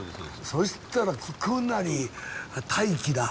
そしたら着くなり待機だ。